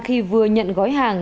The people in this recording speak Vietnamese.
khi vừa nhận gói hàng